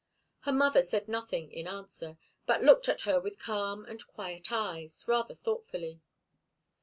Her mother said nothing in answer, but looked at her with calm and quiet eyes, rather thoughtfully.